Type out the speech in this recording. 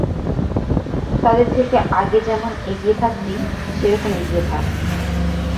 তাদের থেকে আগে যেমন এগিয়ে থাকতি, সেরকম এগিয়ে থাক।